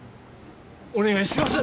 お願いします！